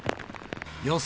予想